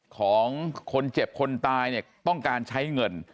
ของคนเจ็บคนตายเนี่ยต้องการใช้เงิน